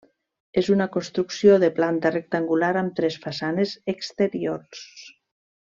És una construcció de planta rectangular amb tres façanes exteriors.